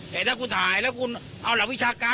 แต่ถ้าคุณถ่ายแล้วคุณเอาหลักวิชาการ